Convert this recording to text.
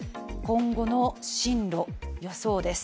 今後の進路予想です。